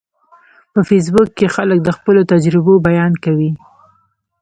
په فېسبوک کې خلک د خپلو تجربو بیان کوي